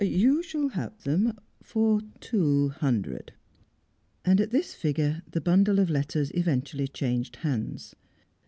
You shall have them for two hundred." And at this figure the bundle of letters eventually changed hands.